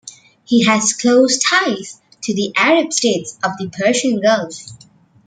He has close ties to the Arab states of the Persian Gulf.